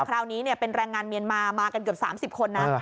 คราวนี้เป็นแรงงานเมียนมามากันเกือบ๓๐คนนะ